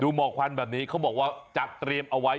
หมอกควันแบบนี้เขาบอกว่าจัดเตรียมเอาไว้